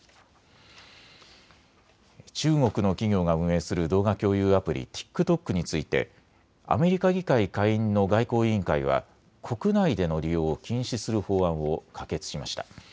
中国の企業が運営する動画共有アプリ、ＴｉｋＴｏｋについてアメリカ議会下院の外交委員会は国内での利用を禁止する法案を可決しました。